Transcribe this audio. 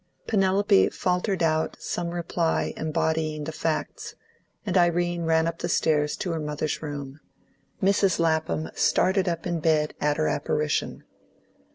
Penelope faltered out some reply embodying the facts, and Irene ran up the stairs to her mother's room. Mrs. Lapham started up in bed at her apparition.